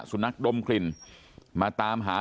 นักดมกลิ่นมาตามหา